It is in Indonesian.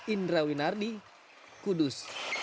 indra winarni kudus